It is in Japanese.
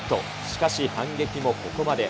しかし反撃もここまで。